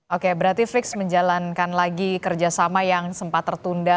oke berarti frits menjalankan lagi kerjasama yang sempat tertunda